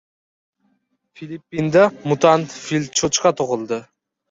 Filippinda mutant fil-cho‘chqa tug‘ildi